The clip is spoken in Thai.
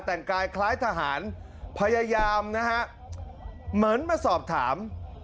แต่งกายคล้ายทหารพยายามนะฮะเหมือนมาสอบถาม